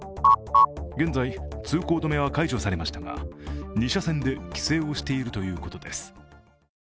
現在、通行止めは解除されましたが２車線で規制をしているということです。